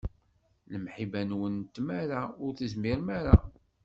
Lemḥiba-nwen d tamara, ur tezmirem ara.